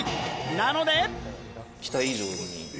なので。